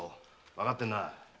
わかってるな。